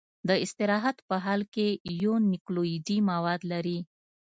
د استراحت په حال کې یو نوکلوئیدي مواد لري.